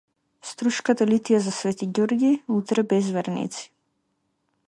Струшката литија за свети Ѓорги утре без верници